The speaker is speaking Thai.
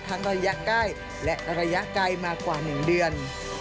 ระยะใกล้และระยะไกลมากว่า๑เดือน